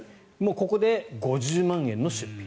ここで５０万円の出費。